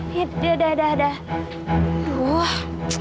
yaudah dah dah dah